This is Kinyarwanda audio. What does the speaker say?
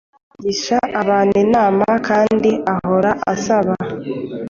Agisha abantu inama kandi ahora asaba